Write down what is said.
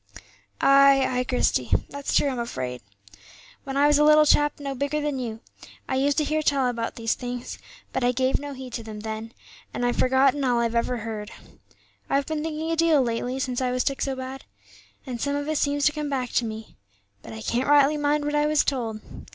"Ay, ay, Christie, that's true, I'm afraid. When I was a little chap no bigger than you, I used to hear tell about these things, but I gave no heed to them then, and I've forgotten all I ever heard. I've been thinking a deal lately since I was took so bad, and some of it seems to come back to me. But I can't rightly mind what I was told.